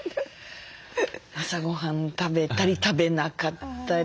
朝ごはん食べたり食べなかったり。